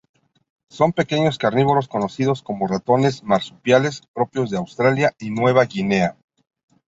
Son pequeños carnívoros conocidos como ratones marsupiales, propios de Australia y Nueva Guinea.